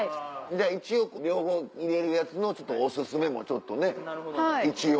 一応両方入れるやつのお薦めもちょっとね一応。